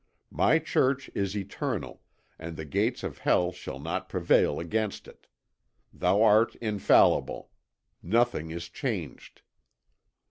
My Church is eternal, and the gates of hell shall not prevail against it. Thou art infallible. Nothing is changed."